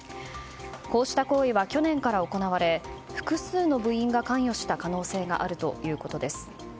こうした行為は去年から行われ複数の部員が関与した可能性があるということです。